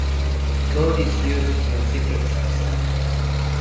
Code is used when secrets are sent.